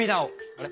あれ？